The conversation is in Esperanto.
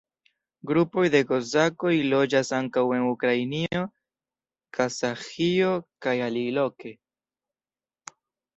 Grupoj de kozakoj loĝas ankaŭ en Ukrainio, Kazaĥio kaj aliloke.